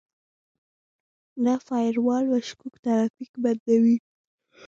دا فایروال مشکوک ترافیک بندوي.